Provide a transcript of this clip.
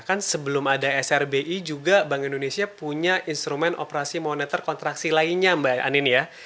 kan sebelum ada srbi juga bank indonesia punya instrumen operasi moneter kontraksi lainnya mbak anin ya